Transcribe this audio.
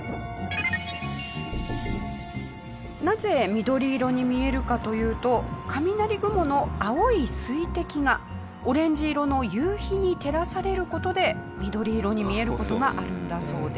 なぜ緑色に見えるかというと雷雲の青い水滴がオレンジ色の夕日に照らされる事で緑色に見える事があるんだそうです。